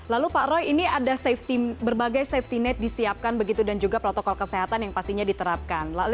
lalu pak roy ini ada berbagai safety net disiapkan begitu dan juga protokol kesehatan yang pastinya diterapkan